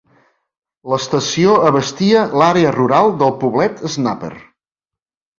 L'estació abastia l'àrea rural del poblet Snapper.